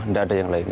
tidak ada yang lain